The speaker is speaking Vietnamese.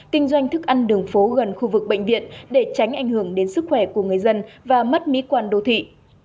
kinh doanh thức ăn đường phố gần khu vực bệnh viện để tránh ảnh hưởng đến sức khỏe của người dân và mất mỹ quan đô thị